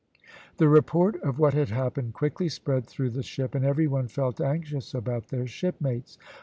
The report of what had happened quickly spread through the ship, and every one felt anxious about their shipmates.